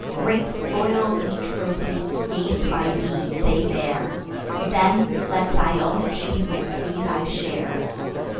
Great spoils and trophies, gain'd by thee, they bear: Then let thy own achievements be thy share.